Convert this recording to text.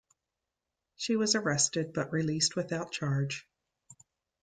She was arrested but released without charge.